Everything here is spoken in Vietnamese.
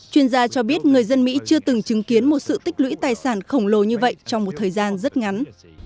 chuyên gia cho biết người dân mỹ chưa từng chứng kiến một sự tích lũy tài sản khổng lồ như vậy trong một thời gian rất ngắn